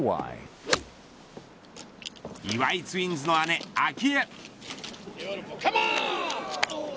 岩井ツインズの姉、明愛。